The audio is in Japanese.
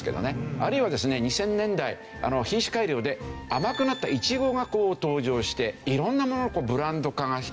あるいはですね２０００年代品種改良で甘くなったイチゴが登場して色んなもののブランド化が進んだという。